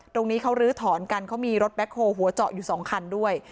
ตรงนี้เขาลื้อถอนกันเขามีรถแบ็คโฮลหัวเจาะอยู่สองคันด้วย